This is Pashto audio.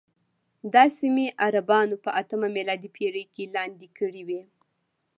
دا سیمې عربانو په اتمه میلادي پېړۍ کې لاندې کړې وې.